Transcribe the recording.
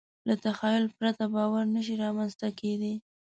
له تخیل پرته باور نهشي رامنځ ته کېدی.